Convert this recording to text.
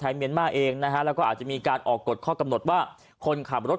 เมียนมาร์เองนะฮะแล้วก็อาจจะมีการออกกฎข้อกำหนดว่าคนขับรถ